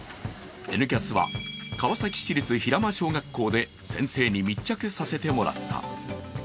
「Ｎキャス」は、川崎市立平間小学校で先生に密着させてもらった。